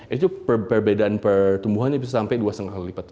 itu perbedaan pertumbuhannya bisa sampai dua lima kali lipat